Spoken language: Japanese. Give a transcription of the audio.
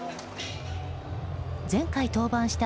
前回登板した